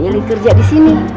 yaudeh deketin aja terus